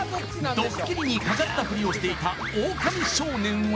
ドッキリにかかったフリをしていたオオカミ少年は？